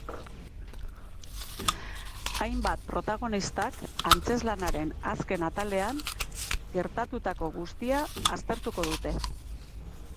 Hainbat protagonistak antzezlanaren azken atalean gertatutako guztia aztertuko dute.